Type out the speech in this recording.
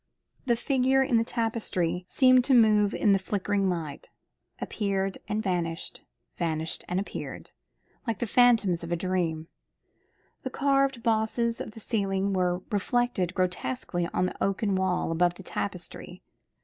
The figures in the tapestry seemed to move in the flickering light appeared and vanished, vanished and appeared, like the phantoms of a dream. The carved bosses of the ceiling were reflected grotesquely on the oaken wall above the tapestry.